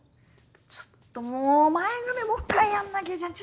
ちょっともう前髪もっかいやんなきゃじゃん。